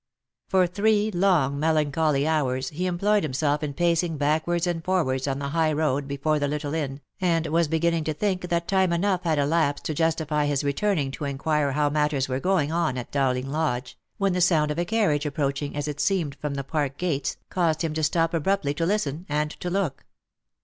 For three long melancholy hours he employed himself in pacing backwards and forwards on the high road before the little inn, and was beginning to think that time enough had elapsed to justify his return ing to inquire how matters were going on at Dowling Lodge, when the sound of a carriage approaching as it seemed from the park gates, caused him to stop abruptly to listen, and to look.